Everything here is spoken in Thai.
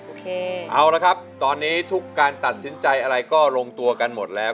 โอเคเอาละครับตอนนี้ทุกการตัดสินใจอะไรก็ลงตัวกันหมดแล้ว